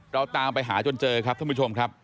เราตามไปหาจนเจอครับจะเจอครับท่านผู้ชมครับ